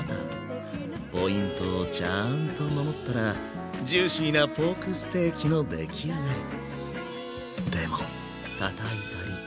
ポイントをちゃんと守ったらジューシーなポークステーキの出来上がり。